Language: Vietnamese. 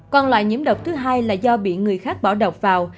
còn lại nhiễm độc thứ hai là do bị người khác bỏ độc vào